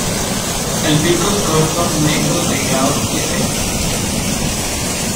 El pico es corto, negro, delgado y recto.